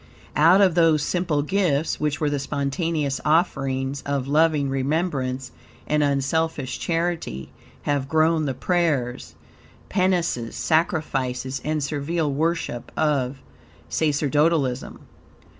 Out of those simple gifts, which were the spontaneous offerings of loving remembrance and unselfish charity, have grown the prayers, penances, sacrifices, and servile worship, of sacerdotalism.